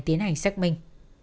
tiến hành xác minh